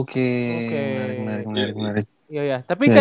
oke menarik menarik menarik